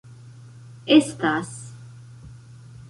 estas